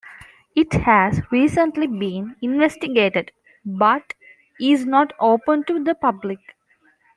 It has recently been investigated, but is not open to the public.